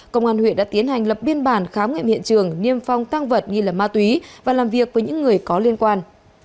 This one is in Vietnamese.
công an huyện đã tiến hành lập biên bản khám nghiệm hiện trường niêm phong tăng vật nghi là ma túy và làm việc với những người có liên quan